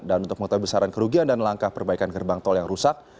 dan untuk mengutap besaran kerugian dan langkah perbaikan gerbang tol yang rusak